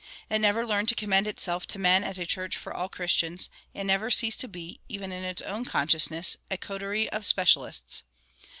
It never learned to commend itself to men as a church for all Christians, and never ceased to be, even in its own consciousness, a coterie of specialists.